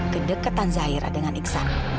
kedekatan zahira dengan iksan